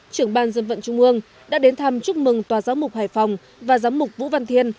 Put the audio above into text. trưởng ban dân vận trung ương đã đến thăm chúc mừng tòa giáo mục hải phòng và giám mục vũ văn thiên